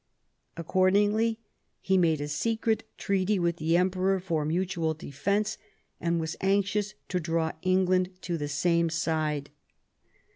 Accordingly he made a secret treaty with the Emperor for mutual defence, and was anxious to draw England to the same side.